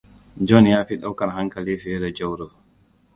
Jon ya fi daukar hankali fiye da Jauro.